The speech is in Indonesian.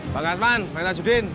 pak gatman pak gita judin